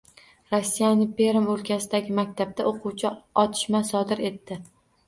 Rossiyaning Perm o‘lkasidagi maktabda o‘quvchi otishma sodir etdi